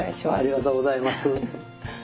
ありがとうございます。